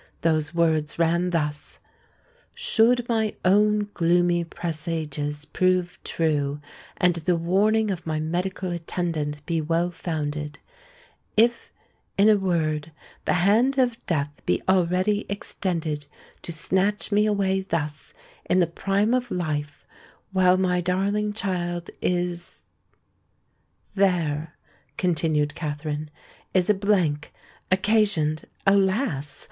Those words ran thus:—'_Should my own gloomy presages prove true, and the warning of my medical attendant be well founded,—if, in a word, the hand of death be already extended to snatch me away thus in the prime of life, while my darling child is——_:' there," continued Katherine, "is a blank, occasioned—alas!